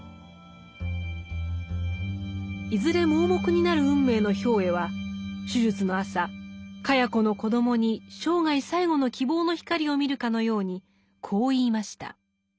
いずれ盲目になる運命の兵衛は手術の朝茅子の子どもに生涯最後の希望の光を見るかのようにこう言いました。